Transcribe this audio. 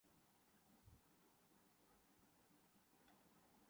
پی C B سالانہ award تقریب Hasan Ali one day format کے بہترین کھلاڑی قرار پائے